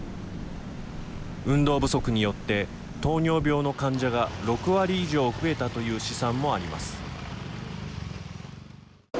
運動不足によって糖尿病の患者が６割以上増えたという試算もあります。